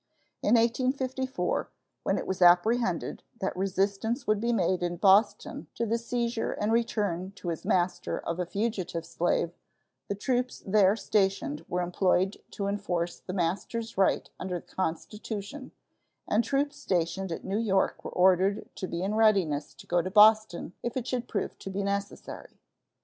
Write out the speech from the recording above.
In 1854, when it was apprehended that resistance would be made in Boston to the seizure and return to his master of a fugitive slave, the troops there stationed were employed to enforce the master's right under the Constitution, and troops stationed at New York were ordered to be in readiness to go to Boston if it should prove to be necessary.